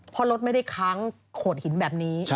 เพราะรถไม่ได้ค้างโขดหินแบบนี้